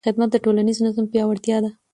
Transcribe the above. خدمت د ټولنیز نظم پیاوړتیا ده.